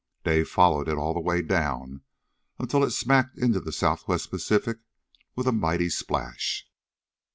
Dave followed it all the way down until it smacked into the Southwest Pacific with a mighty splash.